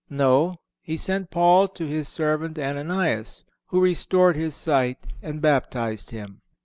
No; He sent Paul to His servant Ananias, who restored his sight and baptized him.